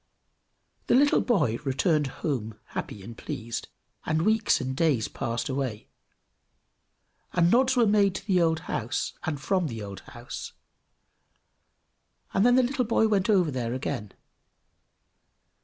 The little boy returned home happy and pleased, and weeks and days passed away, and nods were made to the old house, and from the old house, and then the little boy went over there again.